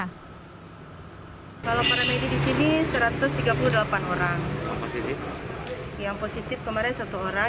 kalau para medis di sini satu ratus tiga puluh delapan orang